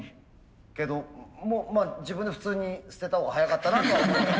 けど自分で普通に捨てたほうが早かったなとは。